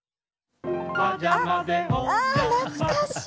あっあ懐かしい！